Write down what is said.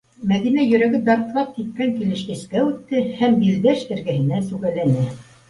Мәҙинә йөрәге дарҫлап типкән килеш эскә үтте һәм Билдәш эргәһенә сүгәләне: